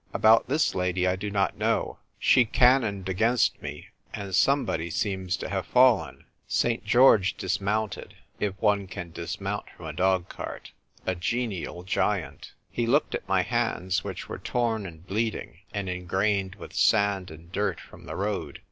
About this lady I do not know. She cannoned CALLED " OF ACCIDENTS." QI against me, and somebody seems to have fallen." St. George dismounted — if one can dis mount from a dog cart — a genial giant. He looked at my hands, which were torn and bleeding, and ingrained with sand and dirt from the road.